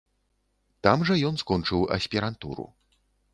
Там жа ён скончыў аспірантуру.